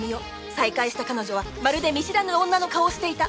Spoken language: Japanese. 再会した彼女はまるで見知らぬ女の顔をしていた。